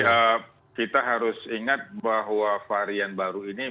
jadi kita harus ingat bahwa varian baru ini